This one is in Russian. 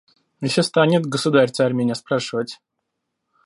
Еще станет государь-царь меня спрашивать: